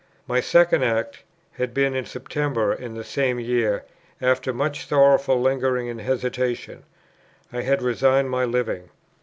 My second act had been in September in the same year; after much sorrowful lingering and hesitation, I had resigned my Living.